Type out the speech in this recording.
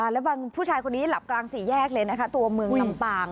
แล้วบางผู้ชายคนนี้หลับกลางสี่แยกเลยนะคะตัวเมืองลำปาง